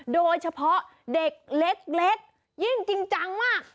โดยเฉพาะเด็กเล็กยิ่งจริงจังมาก